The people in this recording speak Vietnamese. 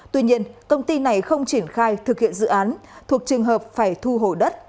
tuy nhiên công ty này không triển khai thực hiện dự án thuộc trường hợp phải thu hồi đất